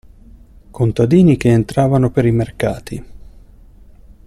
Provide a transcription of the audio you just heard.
Contadini che entravano per i mercati.